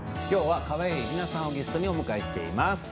きょうは川栄李奈さんをゲストにお迎えしています。